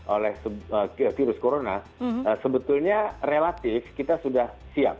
oleh virus corona sebetulnya relatif kita sudah siap